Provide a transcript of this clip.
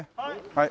はい！